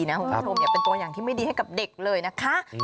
เพราะว่าตรงนี้เป็นตัวอย่างที่ไม่ดีให้กับเด็กเลยนะคะ